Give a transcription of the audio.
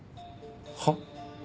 はっ？